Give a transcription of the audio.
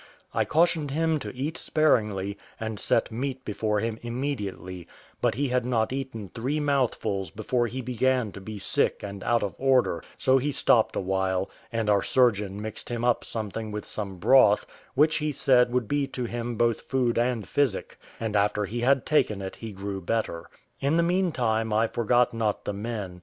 I cautioned him to eat sparingly, and set meat before him immediately, but he had not eaten three mouthfuls before he began to be sick and out of order; so he stopped a while, and our surgeon mixed him up something with some broth, which he said would be to him both food and physic; and after he had taken it he grew better. In the meantime I forgot not the men.